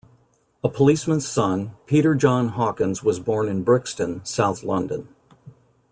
A policeman's son, Peter John Hawkins was born in Brixton, south London.